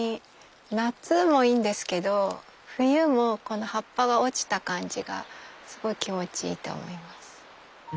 夏もいいんですけど冬もこの葉っぱが落ちた感じがすごい気持ちいいと思います。